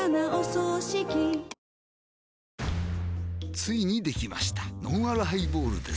ついにできましたのんあるハイボールです